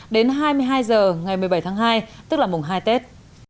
đến hai mươi hai h ngày một mươi bảy tháng hai tức là mùng hai tết